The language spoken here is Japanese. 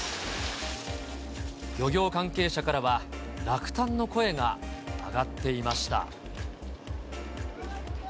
漁業関係者からは、落胆の声が上がっていました。